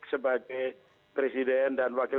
sebagai presiden dan wakil